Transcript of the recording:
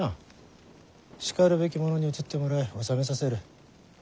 しかるべき者に移ってもらい治めさせる。